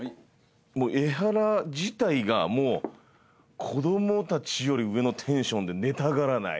エハラ自体がもう子どもたちより上のテンションで寝たがらない。